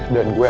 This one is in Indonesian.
dan gue akan